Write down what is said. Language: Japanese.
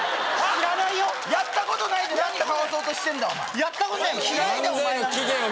知らないよやったことないで何かわそうとしてんだお前やったことないもん